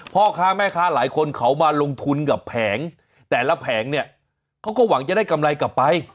พ่อค้าแม่ค้าหลายคนเขามาลงทุนกับแผงแต่ละแผงเนี่ยเขาก็หวังจะได้กำไรกลับไป